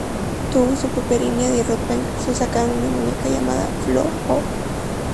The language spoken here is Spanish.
Tuvo su propia línea de ropa e incluso sacaron una muñeca llamada Flo-Jo.